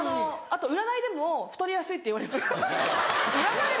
あと占いでも太りやすいって言われました。